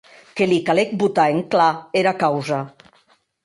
Que li calec botar en clar era causa.